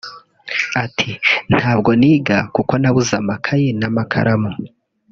Ati “Ntabwo niga kuko nabuze amakayi n’amakaramu